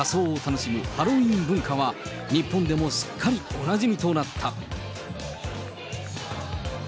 さまざまな仮装を楽しむハロウィーン文化は、日本でもすっかりおなじみとなった。